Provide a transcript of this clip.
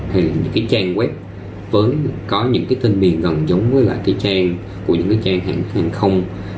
hay là những cái trang web với có những cái thông tin gần giống với là cái trang của những cái trang hàng không